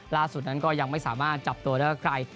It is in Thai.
ล่าสุดนั้นก็ยังไม่สามารถจับตัวได้ว่าใคร